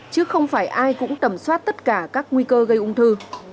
chứ không phải ai cũng tầm soát tất cả các nguy cơ gây ung thư